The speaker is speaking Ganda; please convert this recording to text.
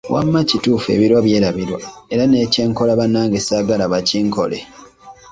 Wamma kituufu ebirwa byerabirwa era ne kyenkola bannange saagala bakinkole!